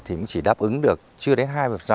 thì cũng chỉ đáp ứng được chưa đến hai